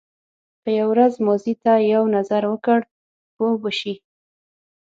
که یو ورځ ماضي ته یو نظر وکړ پوه به شې.